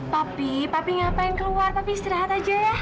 papi papi ngapain keluar tapi istirahat aja ya